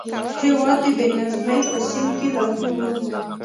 هېواد د بې نظمۍ په سین کې لاهو و.